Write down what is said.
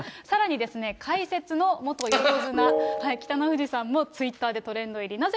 さらに解説の元横綱・北の富士さんもツイッターでトレンド入り。